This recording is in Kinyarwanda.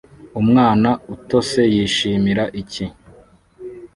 Umwana utose yishimira icyi